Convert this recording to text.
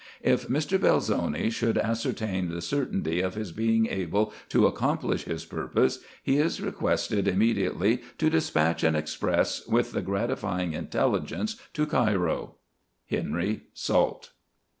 " If Mr. Belzoni should ascertain the certainty of his being able to accomplish his purpose, he is requested immediately to despatch an express with the gratifying intelligence to Cairo. " Henry Salt."